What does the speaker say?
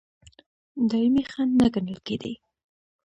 دایمي خنډ نه ګڼل کېدی.